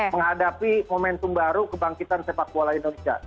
menghadapi momentum baru kebangkitan sepak bola indonesia